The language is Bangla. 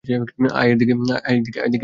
আয় দিকে, ভালুক মামা।